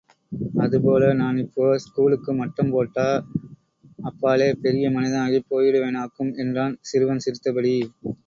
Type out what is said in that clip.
அதுபோல நான் இப்போ ஸ்கூலுக்கு மட்டம் போட்டா, அப்பாலே பெரிய மனிதனாகிப் போயிடுவேனாக்கும் என்றான் சிறுவன், சிரித்தபடி.